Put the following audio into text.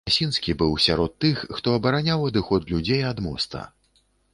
Ясінскі быў сярод тых, хто абараняў адыход людзей да моста.